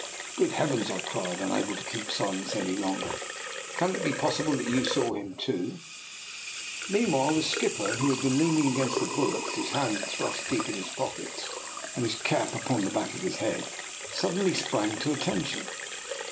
" Good Heavens! " I cried, unable to keep silence any longer, " can it be possible that you saw him too? '' Meanwhile the skipper, who had been leaning against the bulwarks, his hands thrust deep in his pockets and his cap upon the back of his head, suddenly sprang to attention.